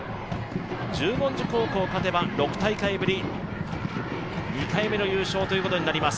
十文字高校が勝てば６大会ぶり２回目の優勝となります。